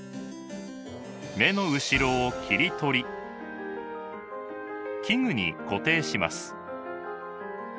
目の後ろを切り取り器具に固定します。